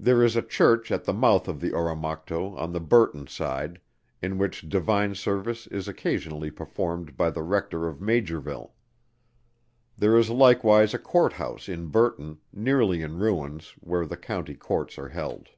There is a Church at the mouth of the Oromocto on the Burton side, in which divine service is occasionally performed by the Rector of Maugerville. There is likewise a Court house in Burton nearly in ruins where the County Courts are held.